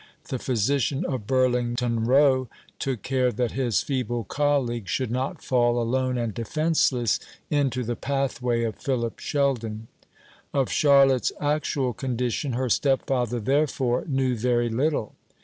The physician of Burlington Row took care that his feeble colleague should not fall alone and defenceless into the pathway of Philip Sheldon. Of Charlotte's actual condition her stepfather, therefore, knew very little.